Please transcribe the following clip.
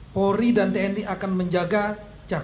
polri dan tni akan menjaga jakarta